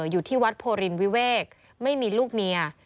อยู่ที่วัดโพรินวิเวกไม่มีลูกเมีย